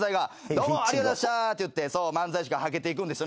「どうもありがとうございました」って漫才師がはけていくんです。